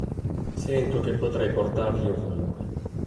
Sento che potrei portarli ovunque".